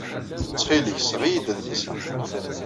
Ttxil-k, seɣ-iyi-d adlis-a.